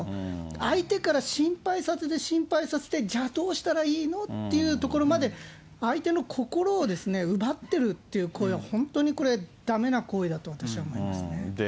相手から心配させて、心配させて、じゃあ、どうしたらいいのってところまで、相手の心をですね、奪ってるっていう行為は、本当にこれ、だめな行為だと、私は思いますね。